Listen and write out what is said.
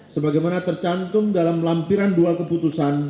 sebagaimana tercantum dalam lampiran dua keputusan